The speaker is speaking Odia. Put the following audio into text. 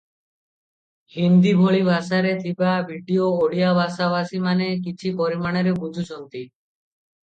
ହିନ୍ଦୀ ଭଳି ଭାଷାରେ ଥିବା ଭିଡିଓ ଓଡ଼ିଆ ଭାଷାଭାଷୀମାନେ କିଛି ପରିମାଣରେ ବୁଝୁଛନ୍ତି ।